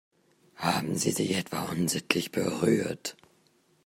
Haben sie sich etwa unsittlich berührt?